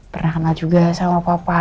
pernah kenal juga sama papa